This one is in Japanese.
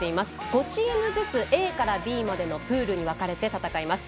５チームずつＡからＤまでのプールに分かれて戦います。